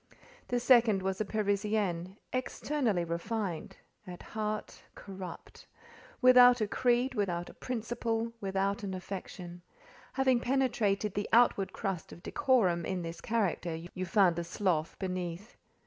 The second was a Parisienne, externally refined—at heart, corrupt—without a creed, without a principle, without an affection: having penetrated the outward crust of decorum in this character, you found a slough beneath.